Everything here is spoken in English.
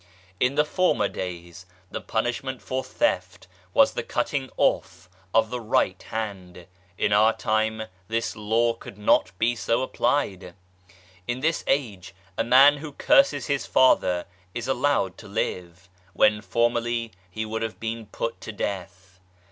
In the former days the punishment for theft was the cutting off of the right hand ; in our time this law could not be so applied. In this age, a man who curses his father is allowed to live, when formerly he would have been put to death.